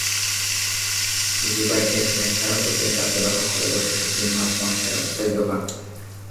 ইজিবাইকের stand ছাড়াও প্রতিদিন রাস্তা দখল করে বসে সবজি, মাছ-মাংসের অস্থায়ী দোকান।